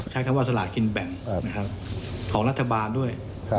ใช้คำว่าสลากินแบ่งของรัฐบาลด้วย